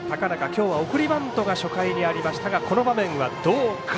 今日は送りバントが初回にありましたがこの場面は、どうか。